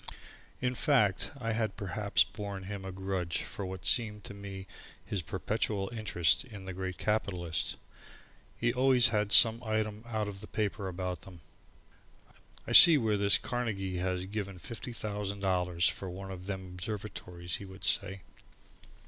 In fact, I had perhaps borne him a grudge for what seemed to me his perpetual interest in the great capitalists. He always had some item out of the paper about them. "I see where this here Carnegie has give fifty thousand dollars for one of them observatories," he would say.